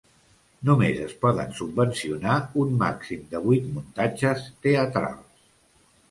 Només es poden subvencionar un màxim de vuit muntatges teatrals.